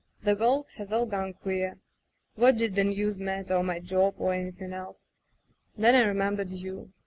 ... The world has all gone queer. What did the news matter, or my job, or anything else? Then I re membered you.